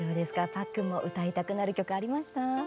パックンも歌いたくなる曲ありました？